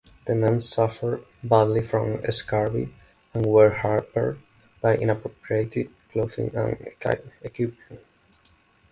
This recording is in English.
The men suffered badly from scurvy and were hampered by inappropriate clothing and equipment.